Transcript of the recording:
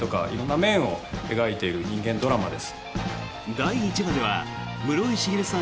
第１話では室井滋さん